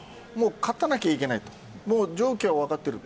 勝たなきゃいけないともう状況は分かっていると。